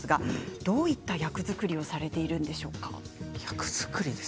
どういった役作りをされているんでしょうかということです。